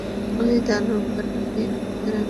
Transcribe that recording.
ওই দানব আর আমি, আমাদের আসলে বোঝাপড়া হয়েছিল।